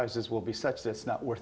itu terlalu buruk karena sekarang